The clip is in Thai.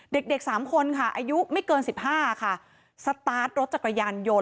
เด็กสามคนค่ะอายุไม่เกินสิบห้าค่ะรถจักรยานยนต์